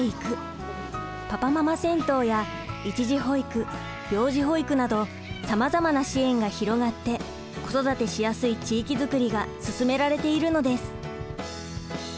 パパママ銭湯や一時保育病児保育などさまざまな支援が広がって子育てしやすい地域づくりが進められているのです。